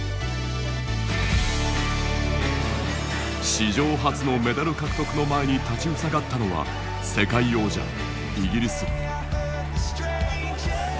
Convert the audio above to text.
史上初のメダル獲得の前に立ちふさがったのは世界王者イギリス。